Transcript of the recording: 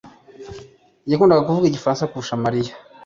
yakundaga kuvuga igifaransa kurusha Mariya